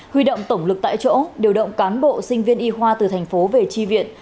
huy động tổng lực tại chỗ điều động cán bộ sinh viên y khoa từ thành phố về tri viện